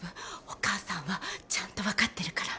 お母さんはちゃんと分かってるから。